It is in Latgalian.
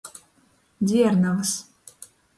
Dziernovys.